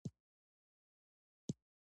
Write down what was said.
دا د ګناه داسې نښه ده چې هر انسان پرې پوهېږي.